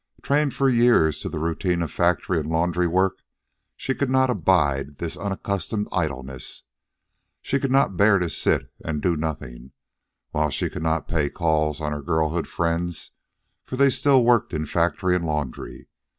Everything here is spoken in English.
Trained for years to the routine of factory and laundry work, she could not abide this unaccustomed idleness. She could not bear to sit and do nothing, while she could not pay calls on her girlhood friends, for they still worked in factory and laundry.